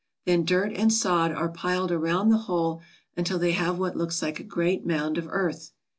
Then dirt and sod are piled around the hole until they have what looks like a great mound of earth.